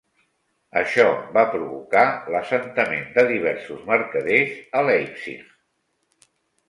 Això va provocar l'assentament de diversos mercaders a Leipzig.